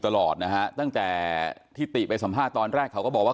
ตลอดนะฮะตั้งแต่ที่ติไปสัมภาษณ์ตอนแรกเขาก็บอกว่า